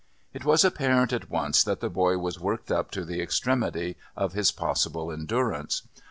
It was apparent at once that the boy was worked up to the extremity of his possible endurance.